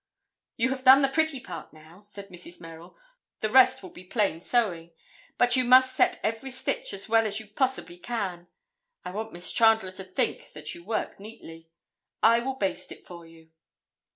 "You have done the pretty part now," said Mrs. Merrill. "The rest will be plain sewing, but you must set every stitch as well as you possibly can. I want Miss Chandler to think that you work neatly. I will baste it for you."